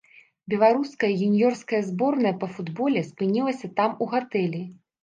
Беларуская юніёрская зборная па футболе спынілася там у гатэлі.